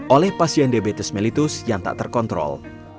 oleh pasien diabetes mellitus yang tak terkontrol